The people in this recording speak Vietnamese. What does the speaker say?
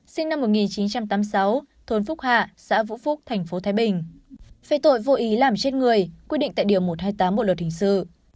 sinh năm một nghìn chín trăm tám mươi sáu thôn phúc hạ xã vũ phúc tp thái bình về tội vô ý làm chết người quyết định tại điều một trăm hai mươi tám bộ luật hình sự